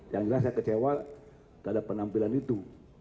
yang saya kecewa pada penampilan itu